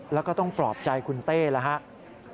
แล้วก็ต้องปลอบใจคุณเต้แล้วครับ